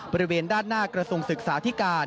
บริเวณด้านหน้ากระทรวงศึกษาธิการ